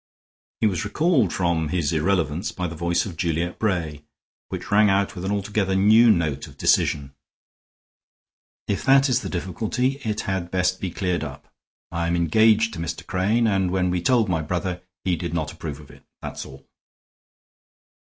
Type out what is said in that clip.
He was recalled from his irrelevance by the voice of Juliet Bray, which rang out with an altogether new note of decision: "If that is the difficulty, it had best be cleared up. I am engaged to Mr. Crane, and when we told my brother he did not approve of it; that is all."